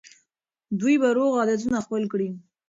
دوی به روغ عادتونه خپل کړي.